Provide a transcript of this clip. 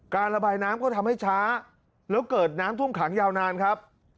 ระบายน้ำก็ทำให้ช้าแล้วเกิดน้ำท่วมขังยาวนานครับ